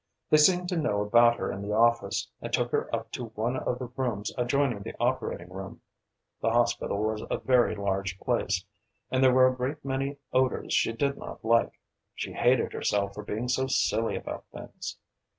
They seemed to know about her in the office, and took her up to one of the rooms adjoining the operating room. The hospital was a very large place, and there were a great many odours she did not like. She hated herself for being so silly about things!